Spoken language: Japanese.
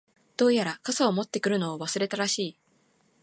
•どうやら、傘を持ってくるのを忘れたらしい。